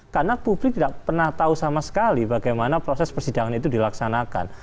karena publik tidak pernah tahu sama sekali bagaimana proses persidangan itu dilaksanakan